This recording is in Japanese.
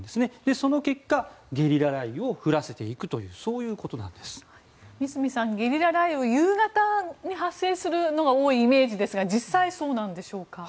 その結果ゲリラ雷雨を降らせていくという三隅さん、ゲリラ雷雨は夕方に発生するのが多いイメージですが実際にそうなんですか？